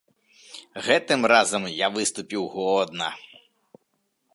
Гэтым разам я выступіў годна.